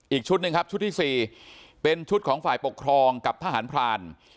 อีกชุดหนึ่งครับชุดที่๔เป็นชุดของฝ่ายปกครองกับทหารพราน